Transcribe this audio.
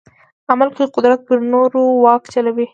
عمل کې قدرت پر نورو واک چلوي.